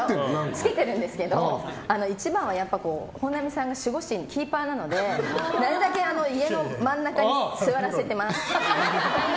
つけてるんですけど一番は本並さんが守護神、キーパーなのでなるだけ家の真ん中に座らせてます。